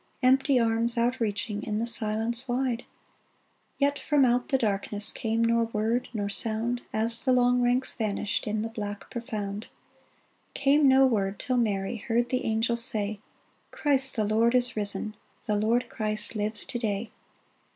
Empty arms outreaching In the silence wide, DAYBREAK Yet from out the darkness Came nor word, nor sound, As the long ranks vanished In the black profound — Came no word till Mary Heard the Angel say —" Christ the Lord is risen ; The Lord Christ lives to day